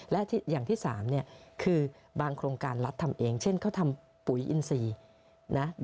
และอย่างที่๓คือบางโครงการรัฐทำเองเช่นเขาทำปุ๋ยอินซีนะ